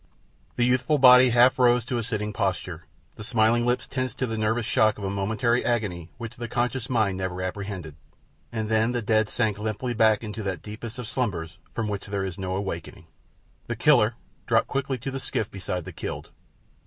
The youthful body half rose to a sitting posture. The smiling lips tensed to the nervous shock of a momentary agony which the conscious mind never apprehended, and then the dead sank limply back into that deepest of slumbers from which there is no awakening. The killer dropped quickly into the skiff beside the killed.